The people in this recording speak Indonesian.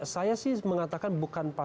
saya sih mengatakan bukan pak